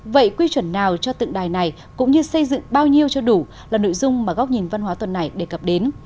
vậy quy chuẩn nào cho tượng đài này cũng như xây dựng bao nhiêu cho đủ là nội dung mà góc nhìn văn hóa tuần này đề cập đến